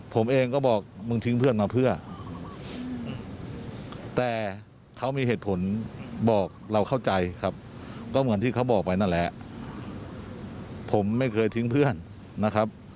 ผมก็บอกไปนั่นแหละผมไม่เคยทิ้งเพื่อนนะครับ